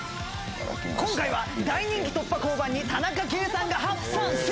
今回は大人気・突破交番に田中圭さんが初参戦。